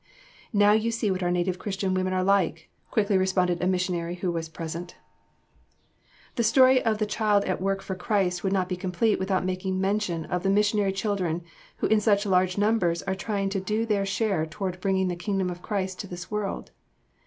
"Now you see what our native Christian women are like," quickly responded a missionary who was present. [Sidenote: Missionary children at work.] The story of the Child at Work for Christ would not be complete without making mention of the missionary children who in such large numbers are trying to do their share toward bringing the Kingdom of Christ to this world.